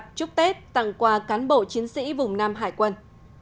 chúc tết tặng quà cán bộ chiến sĩ vùng nam hải quân